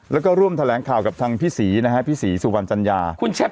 แล้วก็ร่วมแถลงข่าวกับทางพี่ศรีนะฮะพี่ศรีสุวรรณจัญญา